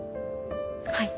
はい。